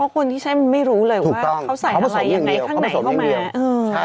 คนที่ใช่มันไม่รู้เลยว่าเขาใส่อะไรยังไงข้างไหนเข้ามา